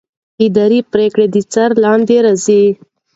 اداري پرېکړه د څار لاندې راځي.